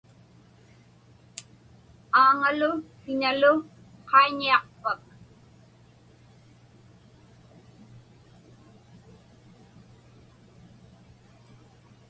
Aaŋalu kiñalu qaiñiaqpak?